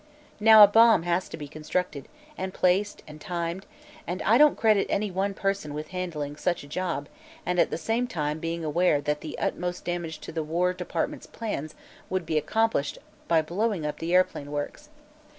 Now, a bomb has to be constructed, and placed, and timed, and I don't credit any one person with handling such a job and at the same time being aware that the utmost damage to the War Department's plans would be accomplished by blowing up the airplane works.